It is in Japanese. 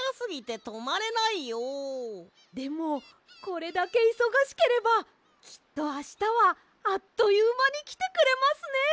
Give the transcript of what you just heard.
でもこれだけいそがしければきっとあしたはあっというまにきてくれますねえ。